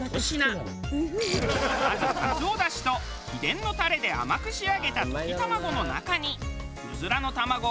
まずカツオ出汁と秘伝のタレで甘く仕上げた溶き卵の中に。